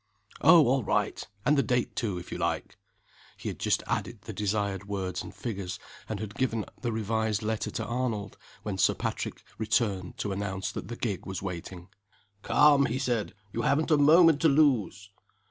"Oh, all right! and the date too, if you like." He had just added the desired words and figures, and had given the revised letter to Arnold, when Sir Patrick returned to announce that the gig was waiting. "Come!" he said. "You haven't a moment to lose!"